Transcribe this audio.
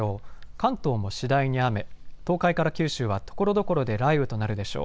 関東も次第に雨、東海から九州はところどころで雷雨となるでしょう。